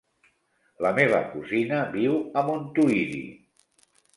La meva cosina viu a Montuïri.